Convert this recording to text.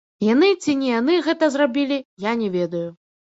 Яны ці не яны гэта зрабілі, я не ведаю.